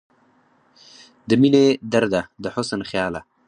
د مينې درده، د حسن خياله